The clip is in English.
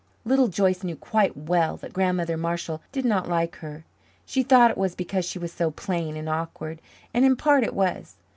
Little Joyce knew quite well that Grandmother Marshall did not like her. She thought it was because she was so plain and awkward and in part it was.